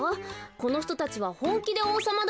このひとたちはほんきでおうさまだと。